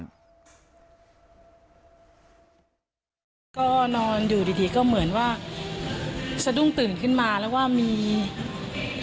ก็นอนอยู่ดีดีก็เหมือนว่าสะดุ้งตื่นขึ้นมาแล้วว่ามีอ่า